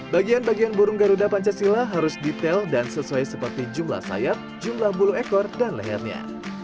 bagian bagian burung garuda pancasila harus detail dan sesuai seperti jumlah sayap jumlah bulu ekor dan lehernya